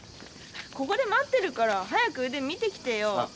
ここで待ってるから早く腕見てきてよ。